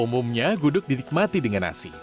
umumnya gudeg dinikmati dengan nasi